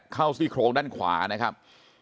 เข้าสี่โครงด้านขวานะครับ